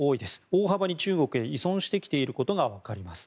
大幅に中国に依存してきていることが分かります。